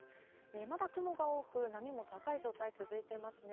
まだ雲が多く、波も高い状態続いてますね。